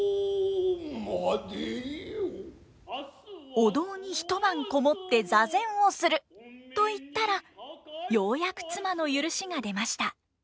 お堂に一晩籠もって座禅をすると言ったらようやく妻の許しが出ました。